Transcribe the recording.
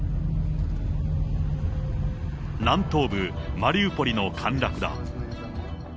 南東部マリウポリの陥落だ。